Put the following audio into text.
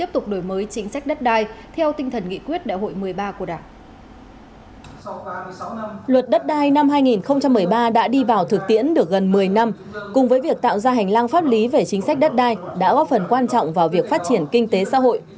luật đất đai năm hai nghìn một mươi ba đã đi vào thực tiễn được gần một mươi năm cùng với việc tạo ra hành lang pháp lý về chính sách đất đai đã góp phần quan trọng vào việc phát triển kinh tế xã hội